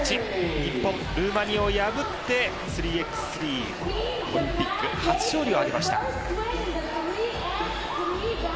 日本、ルーマニアを破って３ｘ３オリンピック初勝利を挙げました。